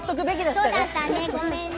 そうだったね、ごめんね。